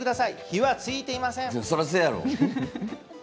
火はついていません。